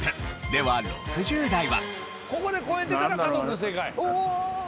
では６０代は。